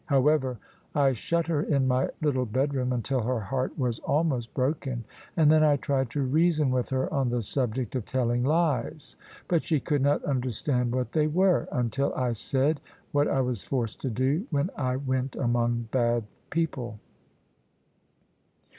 However, I shut her in my little bedroom, until her heart was almost broken; and then I tried to reason with her, on the subject of telling lies; but she could not understand what they were; until I said what I was forced to do, when I went among bad people.